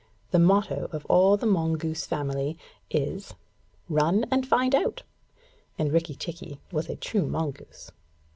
The motto of all the mongoose family is 'Run and find out'; and Rikki tikki was a true mongoose.